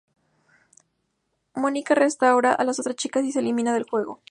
Monika restaura a las otras chicas y se elimina del juego.